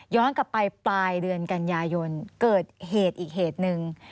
กลับไปปลายเดือนกันยายนเกิดเหตุอีกเหตุหนึ่ง